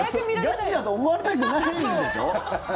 ガチだと思われたくないんでしょ？